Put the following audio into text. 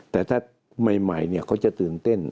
แต่ถ้าใหม่เขาจะตื่นเต้น